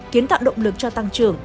kiến tạo động lực cho tăng trưởng